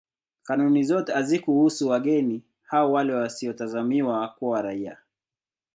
Kanuni zote hazikuhusu wageni au wale wasiotazamiwa kuwa raia.